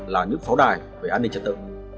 là những pháo đài về an ninh trật tự